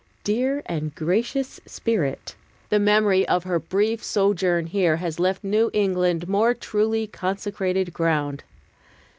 Dear and gracious spirit! The memory of her brief sojourn here has left New England more truly consecrated ground.